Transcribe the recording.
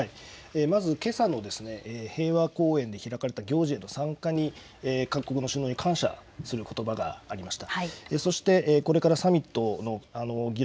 まずけさ平和公園で開かれれた行事への参加に各国の首脳に感謝することばがありました。